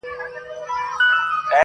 گل وي ياران وي او سايه د غرمې.